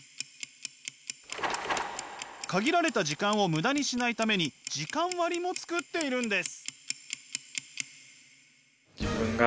限られた時間を無駄にしないために時間割も作っているんです。